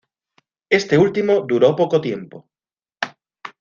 Este último duró poco tiempo.